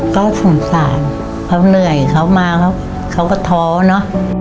ก็สงสารเขาเหนื่อยเขามาเขาก็ท้อเนอะ